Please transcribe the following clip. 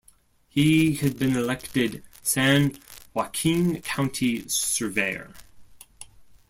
He had been elected San Joaquin County surveyor.